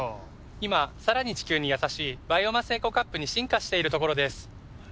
今さらに地球にやさしいバイオマスエコカップに進化しているところです。